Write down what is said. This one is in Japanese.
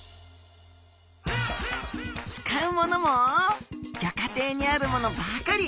使うものもギョ家庭にあるものばかり。